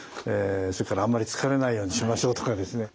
それからあんまり疲れないようにしましょうとかですね